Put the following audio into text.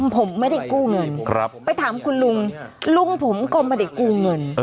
ผมไม่ได้กู้เงินไปถามคุณลุงลุงผมก็ไม่ได้กู้เงิน